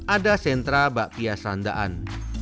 ada sentra bakpia sandaan